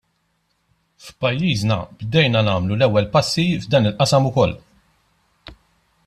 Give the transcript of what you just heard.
F'pajjiżna bdejna nagħmlu l-ewwel passi f'dan il-qasam ukoll.